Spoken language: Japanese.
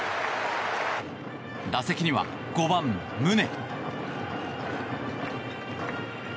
打席には５番、宗。